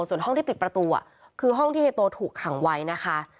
ส่วนห้องที่ปิดประตูคือห้องที่เฮโตถูกขังไว้นะคะ